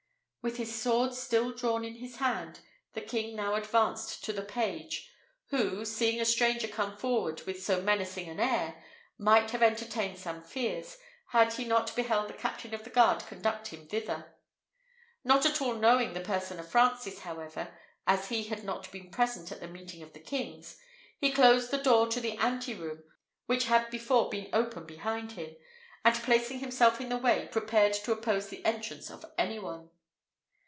With his sword still drawn in his hand, the king now advanced to the page, who, seeing a stranger come forward with so menacing an air, might have entertained some fears, had he not beheld the captain of the guard conduct him thither; not at all knowing the person of Francis, however, as he had not been present at the meeting of the kings, he closed the door of the ante room, which had before been open behind him, and placing himself in the way, prepared to oppose the entrance of any one.